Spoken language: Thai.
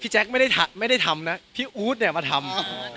พี่แจ็คไม่ได้ทำนะพี่อูตมาทำ